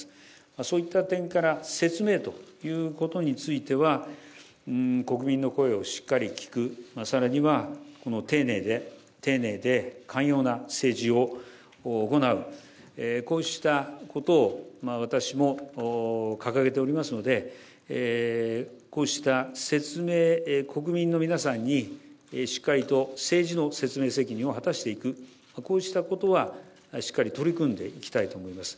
そういった点から、説明ということについては、国民の声をしっかり聞く、さらには、丁寧で、丁寧で寛容な政治を行う、こうしたことを私も掲げておりますので、こうした説明、国民の皆さんにしっかりと政治の説明責任を果たしていく、こうしたことはしっかり取り組んでいきたいと思います。